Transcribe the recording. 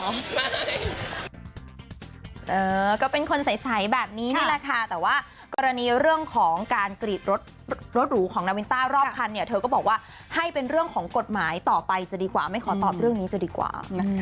เออก็เป็นคนใสแบบนี้นี่แหละค่ะแต่ว่ากรณีเรื่องของการกรีดรถรถหรูของนาวินต้ารอบคันเนี่ยเธอก็บอกว่าให้เป็นเรื่องของกฎหมายต่อไปจะดีกว่าไม่ขอตอบเรื่องนี้จะดีกว่า